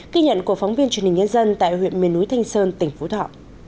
ghi nhận của phóng viên truyền hình nhân dân tại huyện miền núi thanh sơn tỉnh phú thọ